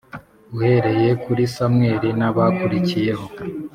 uhereye kuri Samweli n abakurikiyeho